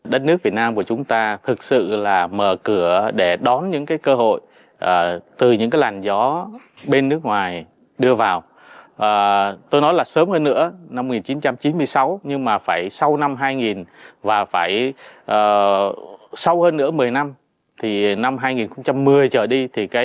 đất nước việt nam của chúng ta thực sự mở cửa để đón những cơ hội từ những làn gió bên nước ngoài đưa vào tôi nói sớm hơn nữaoken một nghìn chín trăm chín mươi sáu nhưng phải sau năm hai nghìn và phải sau hơn nữa một mươi năm thì năm hai nghìn một mươi cho đi